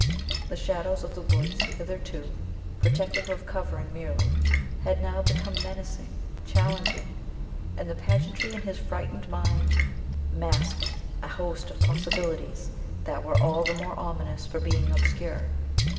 The shadows of the woods, hitherto protective or covering merely, had now become menacing, challenging; and the pageantry in his frightened mind masked a host of possibilities that were all the more ominous for being obscure.